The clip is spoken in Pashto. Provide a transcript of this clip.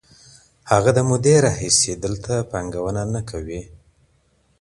هغه د مودې راهیسې دلته پانګونه نه کوي.